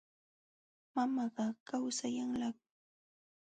Mamakaq kawsayanlaqmi.